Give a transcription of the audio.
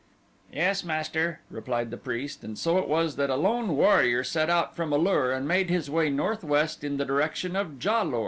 "Yes, master," replied the priest, and so it was that a lone warrior set out from A lur and made his way northwest in the direction of Ja lur.